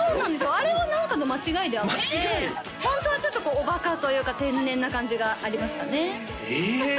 あれは何かの間違いであってホントはちょっとおバカというか天然な感じがありますかねえ！？